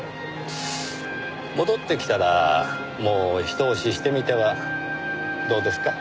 戻ってきたらもうひと押ししてみてはどうですか？